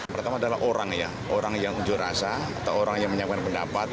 pertama adalah orang ya orang yang unjuk rasa atau orang yang menyampaikan pendapat